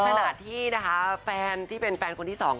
ขณะที่นะคะแฟนที่เป็นแฟนคนที่สอง